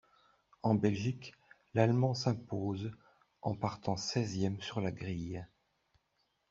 En Belgique, l'Allemand s'impose en partant seizième sur la grille.